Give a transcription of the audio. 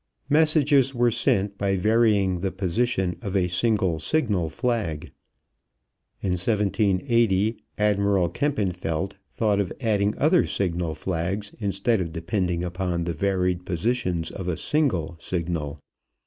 Messages were sent by varying the position of a single signal flag. In 1780 Admiral Kempenfeldt thought of adding other signal flags instead of depending upon the varied positions of a single signal.